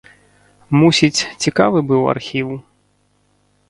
Мусіць, цікавы быў архіў.